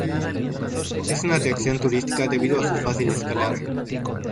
Es una atracción turística debido a su fácil escalada.